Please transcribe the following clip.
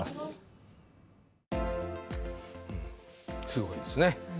すごいですね。